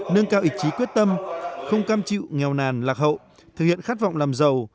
nâng cao ý chí quyết tâm không cam chịu nghèo nàn lạc hậu thực hiện khát vọng làm giàu